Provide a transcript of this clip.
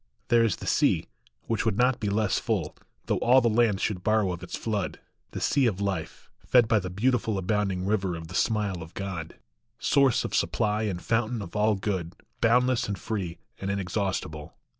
There is the sea, which would not be less full, Though all the lands should borrow of its flood ; The sea of Life, fed by the beautiful Abounding river of the smile of God, Source of supply and fountain of all good, Boundless and free and inexhaustible.